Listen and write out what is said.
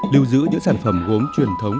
lưu giữ những sản phẩm gốm truyền thống